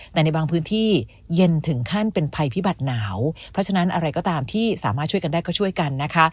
แต่ในบางพื้นที่เย็นถึงขั้นเป็นภัยพิบัติหนาวเพราะฉะนั้นอะไรก็ตามที่สามารถช่วยกันได้ก็ช่วยกันนะคะ